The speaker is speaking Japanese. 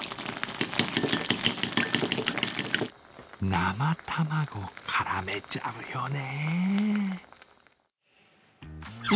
生卵絡めちゃうよね